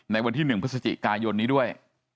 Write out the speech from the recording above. ในวันที่๑พฤศจิกายนนี้ด้วย